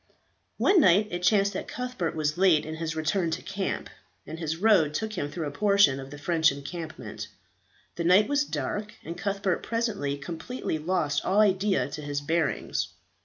One night it chanced that Cuthbert was late in his return to camp, and his road took him through a portion of the French encampment; the night was dark, and Cuthbert presently completely lost all idea as to his bearings.